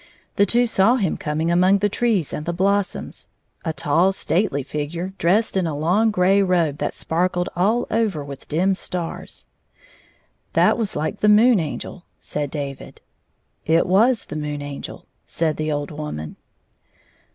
The two saw him coming among the trees and the blossoms — a tall, stately figm'e dressed in a long gray robe that sparkled all over with dim stars. " That was like the Moon Angel," said David. "It was the Moon Angel," said the old woman.